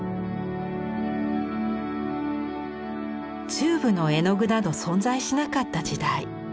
チューブの絵の具など存在しなかった時代。